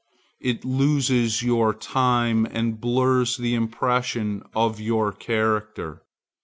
It loses your time and blurs the impression of your character.